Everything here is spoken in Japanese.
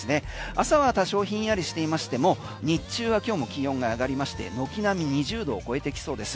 朝は多少ひんやりしていましても日中は今日も気温が上がりまして軒並み２０度を超えてきそうです。